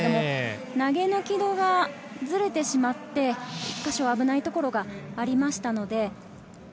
投げ時がずれてしまって、１か所、危ないところがありました。